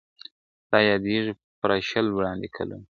ستا یادیږي پوره شل وړاندي کلونه ,